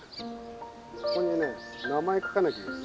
ここにね名前書かなきゃいけない。